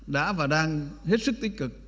đã và đang hết sức tích cực